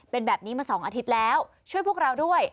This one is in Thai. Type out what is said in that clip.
เป็นแบบนี้มา๒อาทิตย์แล้วช่วยพวกเราด้วย